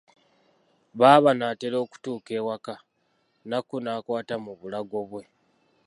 Baba banaatera okutuuka ewaka, Nakku n'akwata mu bulago bwe.